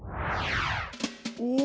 お！